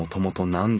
何だ？